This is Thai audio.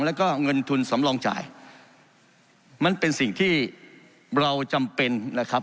แล้วก็เงินทุนสำรองจ่ายมันเป็นสิ่งที่เราจำเป็นนะครับ